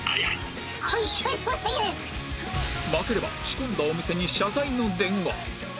負ければ仕込んだお店に謝罪の電話